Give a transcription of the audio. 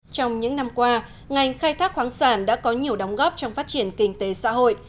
trong những năm qua ngành khai thác khoáng sản đã có nhiều đóng góp trong phát triển kinh tế xã hội